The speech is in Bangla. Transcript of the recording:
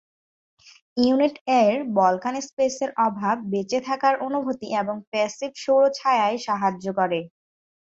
ইউনিট এর বলকান স্পেসের অভাব বেঁচে থাকার অনুভূতি এবং প্যাসিভ সৌর ছায়ায় সাহায্য করে।